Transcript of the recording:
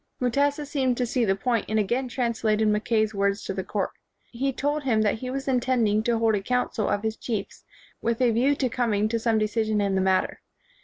Mutesa seemed to see the point and again translated Mackaj^'s words to the court. He told him that he was intending to hold a council of his chiefs with a view to com ing to some decision in the matter.